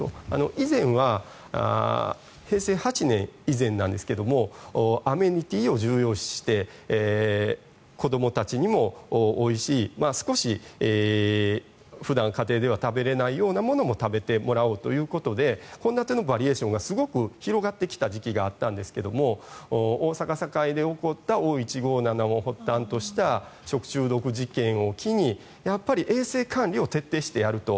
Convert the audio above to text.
以前は、平成８年以前ですがアメニティーを重要視して子どもたちにもおいしい少し普段家庭では食べれないようなものも食べてもらおうということで献立のバリエーションがすごく広がってきた時期があったんですけども大阪・堺で起こったＯ−１５７を発端とした食中毒事件を機にやっぱり衛生管理を徹底してやると。